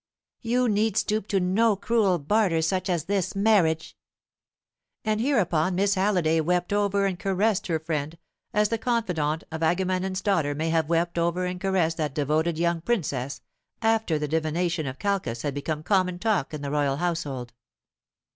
You need stoop to no cruel barter such as this marriage." And hereupon Miss Halliday wept over and caressed her friend, as the confidante of Agamemnon's daughter may have wept over and caressed that devoted young princess after the divination of Calchas had become common talk in the royal household.